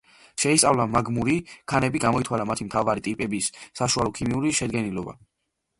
შეისწავლა მაგმური ქანები, გამოითვალა მათი მთავარი ტიპების საშუალო ქიმიური შედგენილობა.